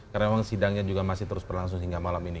karena memang sidangnya juga masih terus berlangsung hingga malam ini